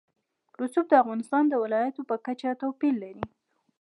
رسوب د افغانستان د ولایاتو په کچه توپیر لري.